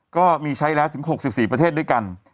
ก็มีใช้แล้วถึง๖๔ประเทศด้วยกัน